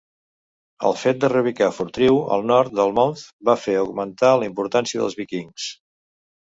El fet de reubicar Fortriu al nord del Mounth va fer augmentar la importància dels víkings.